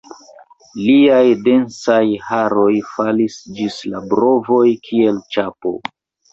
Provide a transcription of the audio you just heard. Liaj densaj haroj falis ĝis la brovoj, kiel ĉapo.